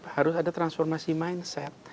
harus ada transformasi mindset